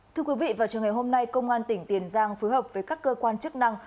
thưa quý vị vào trường ngày hôm nay công an tỉnh tiền giang phối hợp với các cơ quan chức năng